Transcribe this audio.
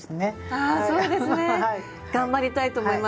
あそうですね。頑張りたいと思います。